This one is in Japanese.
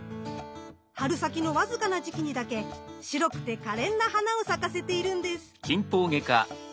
春先のわずかな時期にだけ白くてかれんな花を咲かせているんです。